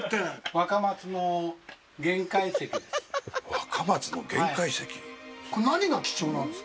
若松の玄界石です。